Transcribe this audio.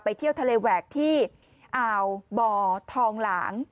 เที่ยวทะเลแหวกที่อ่าวบ่อทองหลาง